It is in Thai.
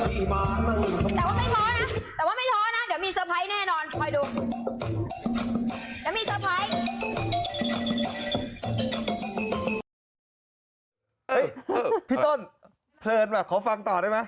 พี่ต้นเผลินมาขอฟังต่อได้มั้ย